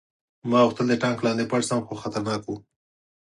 ما غوښتل د ټانک لاندې پټ شم خو خطرناک و